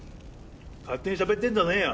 勝手にしゃべってんじゃねぇよ。